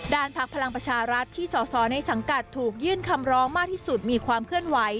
พักพลังประชารัฐที่สอสอในสังกัดถูกยื่นคำร้องมากที่สุดมีความเคลื่อนไหว